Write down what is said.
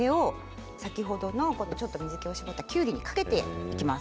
水けを絞ったきゅうりにかけていきます。